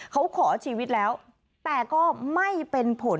เขาขอชีวิตแล้วแต่ก็ไม่เป็นผล